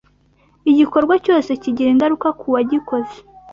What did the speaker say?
Igikorwa cyose kigira ingaruka ku uwagikoze